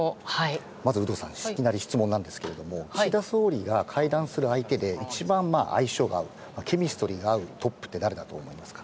有働さん、いきなり質問ですが岸田総理が会談する相手で一番相性が合うケミストリーが合うトップは誰だと思いますか？